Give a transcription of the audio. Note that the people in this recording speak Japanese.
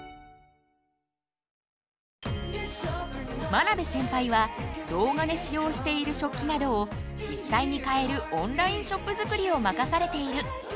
真鍋センパイは動画で使用している食器などを実際に買えるオンラインショップ作りを任されている。